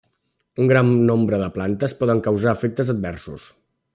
Un gran nombre de plantes poden causar efectes adversos.